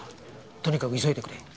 とにかく急いでくれ。